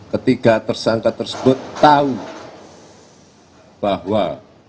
ketiga tersangka tersebut tahu bahwa